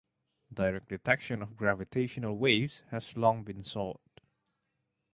Direct detection of gravitational waves has long been sought.